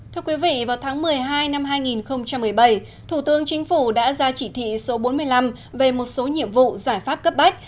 thưa quý vị vào tháng một mươi hai năm hai nghìn một mươi bảy thủ tướng chính phủ đã ra chỉ thị số bốn mươi năm về một số nhiệm vụ giải pháp cấp bách